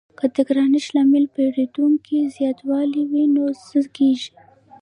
که د ګرانښت لامل د پیرودونکو زیاتوالی وي نو څه کیږي؟